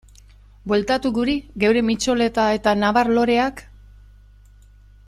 Bueltatu guri geure mitxoleta eta nabar-loreak?